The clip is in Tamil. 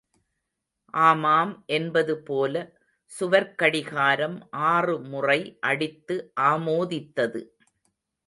ஆமாம் என்பது போல சுவர்க் கடிகாரம் ஆறு முறை அடித்து ஆமோதித்தது.